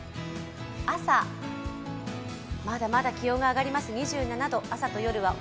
朝、まだまだ気温が上がります。